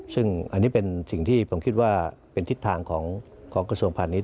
ซึ่งอันนี้เป็นสิ่งที่ผมคิดว่าเป็นทิศทางของกระทรวงพาณิช